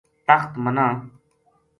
تخت منا